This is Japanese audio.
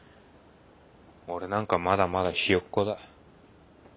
俺なんかまだまだひよっこだ。